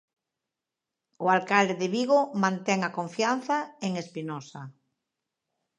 O alcalde de Vigo mantén a confianza en Espinosa.